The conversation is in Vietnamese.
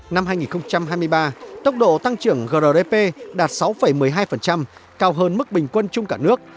năm hai nghìn hai mươi ba tốc độ tăng trưởng grdp đạt sáu một mươi hai cao hơn mức bình quân chung cả nước